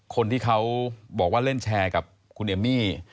คนที่เขาบอกว่าเล่นแชร์กับคุณเอมมี่